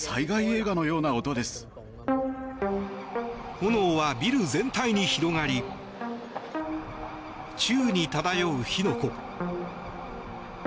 炎はビル全体に広がり宙に漂う火の粉。